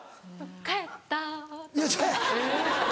帰った